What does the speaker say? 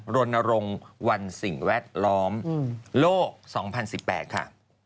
รณรงค์วันสิ่งแวดล้อมโลก๒๐๑๘ค่ะ